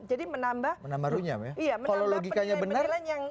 jadi menambah penilaian penilaian yang tidak